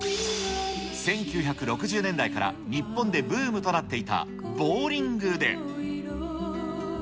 １９６０年代から日本でブームとなっていたボウリングで。